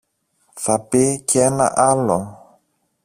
Θα πει κι ένα άλλο